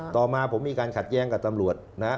ต่อมาผมมีการขัดแย้งกับตำรวจนะ